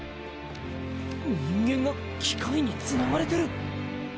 人間が機械につながれてる！